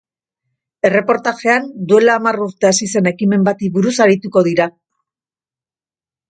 Erreportajean, duela hamar urte hasi zen ekimen bati buruz arituko dira.